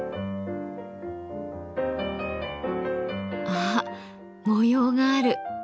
あっ模様がある。